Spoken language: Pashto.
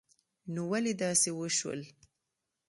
نو ولی داسی وشول